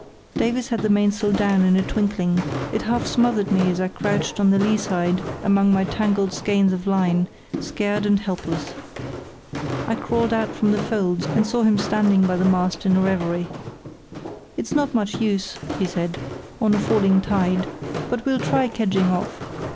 Davies had the mainsail down in a twinkling; it half smothered me as I crouched on the lee side among my tangled skeins of line, scared and helpless. I crawled out from the folds, and saw him standing by the mast in a reverie. "It's not much use," he said, "on a falling tide, but we'll try kedging off.